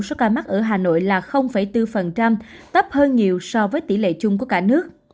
số ca mắc ở hà nội là bốn tấp hơn nhiều so với tỷ lệ chung của cả nước